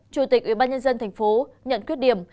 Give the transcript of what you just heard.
chủ tịch ủy ban nhân dân thành phố nhận quyết điểm